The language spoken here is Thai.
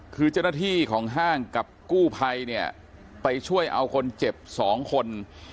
คือเจ้าหน้าที่ของห้างกับกู้ภัยเนี่ยไปช่วยเอาคนเจ็บ๒คน